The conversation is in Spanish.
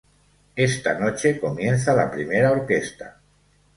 Esta noche comienza la primera orquesta.